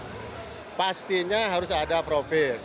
pemasaran melalui komunitas menjadi kunci penjuaraan harley davidson